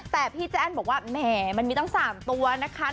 แต่พี่แจ้งบอกว่าแต่มี๓ตัว